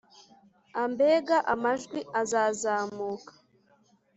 ambega amajwi azazamuka,